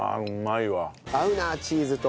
合うなあチーズと。